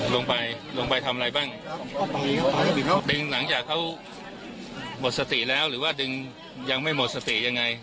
ลงไปลงไปทำอะไรบ้างดึงหลังจากเขาหมดสติแล้วหรือว่าดึงยังไม่หมดสติยังไง